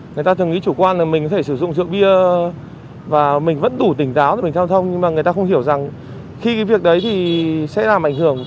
người ta thường ý chủ quan là mình có thể sử dụng rượu bia và mình vẫn đủ tỉnh táo cho mình giao thông nhưng mà người ta không hiểu rằng khi cái việc đấy thì sẽ làm ảnh hưởng